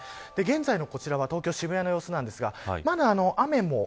現在の、こちらは東京、渋谷の様子です。